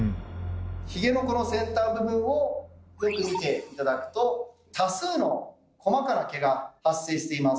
ヒゲのこの先端部分をよく見て頂くと多数の細かな毛が発生しています。